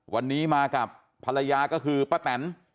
วันนี้มากับภรรยาก็คือป้าแตน